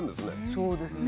そうですね。